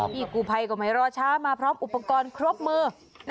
กูภัยก็ไม่รอช้ามาพร้อมอุปกรณ์ครบมือ